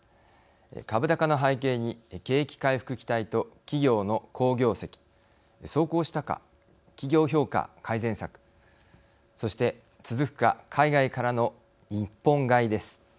株高の背景に景気回復期待と企業の好業績奏功したか、企業評価改善策そして続くか、海外からの日本買いです。